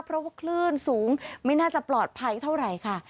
เพราะว่าคลื่นสูงไม่น่าจะปลอดภัยเท่าไหร่ค่ะ